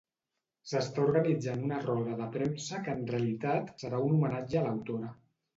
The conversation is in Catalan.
S'està organitzant una roda de premsa que en realitat serà un homenatge a l'autora.